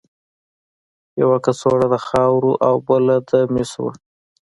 یوه کڅوړه د خاورو او بله د مسو وه.